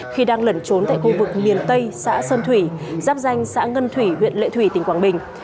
khi đang lẩn trốn tại khu vực miền tây xã sơn thủy giáp danh xã ngân thủy huyện lệ thủy tỉnh quảng bình